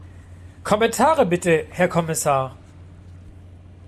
Kommentare bitte, Herr Kommissar.